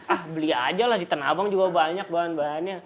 ah beli aja lah di tanah abang juga banyak bahan bahannya